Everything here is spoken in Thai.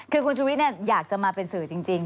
คือคุณชุวิตอยากจะมาเป็นสื่อจริง